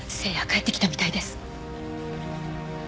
帰ってきたみたいです。